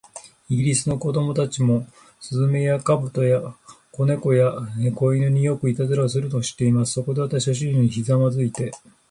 イギリスの子供たちも、雀や、兎や、小猫や、小犬に、よくいたずらをするのを知っています。そこで、私は主人の前にひざまずいて